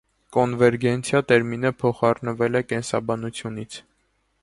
Կոնվերգենցիա տերմինը փոխառնվել է կենսաբանությունից։